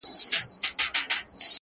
په کورونو یې کړي ګډي د غم ساندي.!